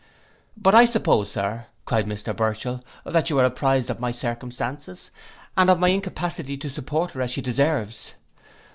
'But I suppose, Sir,' cried Mr Burchell, 'that you are apprized of my circumstances, and of my incapacity to support her as she deserves?